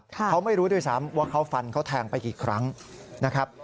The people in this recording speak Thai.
เขาไม่รู้ด้วยซ้ำว่าเขาฟันเขาแทงไปกี่ครั้งนะครับ